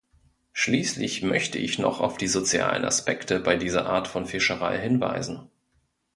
Schließlich möchte ich noch auf die sozialen Aspekte bei dieser Art von Fischerei hinweisen.